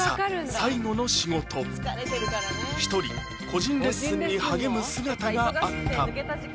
最後の仕事一人個人レッスンに励む姿があった